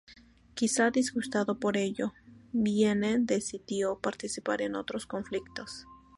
Quizá disgustado por ello, Vienne decidió participar en otros conflictos.